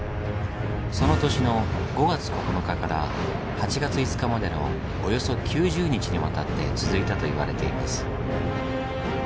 その年の５月９日から８月５日までのおよそ９０日にわたって続いたと言われています。